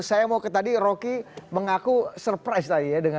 saya mau ke tadi rocky mengaku surprise tadi ya